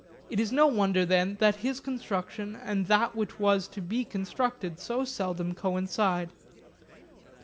It is no wonder, then, that his construction and that which was to be constructed so seldom coincide.